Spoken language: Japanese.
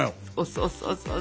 そうそうそう。